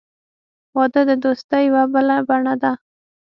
• واده د دوستۍ یوه بله بڼه ده.